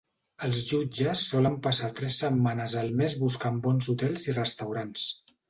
Els jutges solen passar tres setmanes al mes buscant bons hotels i restaurants.